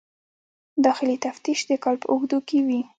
داخلي تفتیش د کال په اوږدو کې وي.